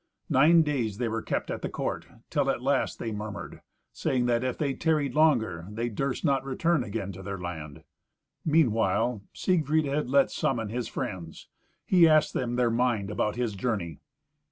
Nine days they were kept at the court, till at last they murmured, saying that if they tarried longer, they durst not return again to their land. Meanwhile Siegfried had let summon his friends. He asked them their mind about his journey.